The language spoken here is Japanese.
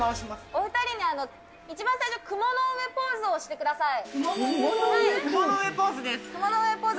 お２人には、一番最初、雲の上ポーズをしてください。